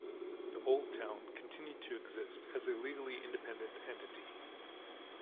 The "old town" continued to exist as a legally independent entity.